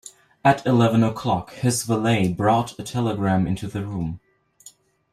At eleven o'clock his valet brought a telegram into the room.